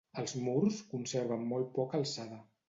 Els murs conserven molt poca alçada.